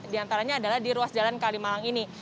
diantaranya adalah di ruas jalan kalimalang ini